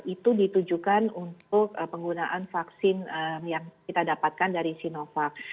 itu ditujukan untuk penggunaan vaksin yang kita dapatkan dari sinovac